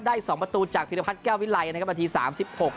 สองประตูจากพิรพัฒนแก้ววิไลนะครับนาทีสามสิบหก